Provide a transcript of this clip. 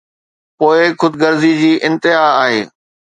پوءِ خود غرضي جي انتها آهي.